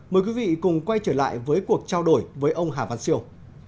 mời quý vị cùng quay trở lại với cuộc trao đổi với ông hà văn siêu